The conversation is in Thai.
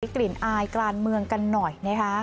กลิ่นอายกลางเมืองกันหน่อยนะคะ